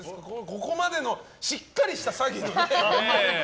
ここまでのしっかりした詐欺。